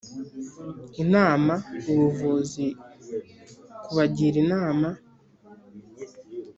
Inama ubuvuzi kubagira inama